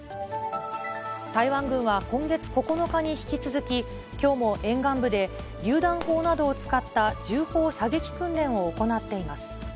台湾軍は今月９日に引き続き、きょうも沿岸部でりゅう弾砲などを使った重砲射撃訓練を行っています。